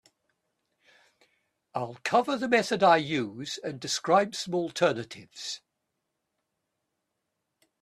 I'll cover the method I use and describe some alternatives.